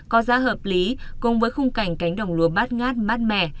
có giá hợp lý cùng với khung cảnh cánh đồng lúa bát ngát mát mẻ